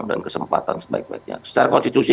kesempatan sebaik baiknya secara konstitusi